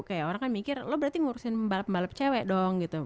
kayak orang kan mikir lo berarti ngurusin pembalap pembalap cewek dong gitu